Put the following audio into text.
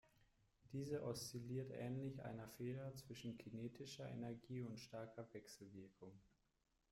Diese oszilliert ähnlich einer Feder zwischen kinetischer Energie und starker Wechselwirkung.